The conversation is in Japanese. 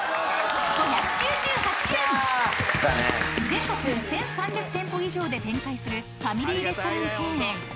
［全国１，３００店舗以上で展開するファミリーレストランチェーン］